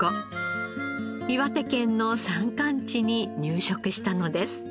岩手県の山間地に入植したのです。